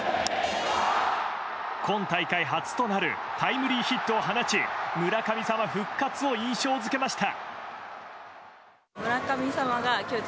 今大会初となるタイムリーヒットを放ち村神様復活を印象付けました。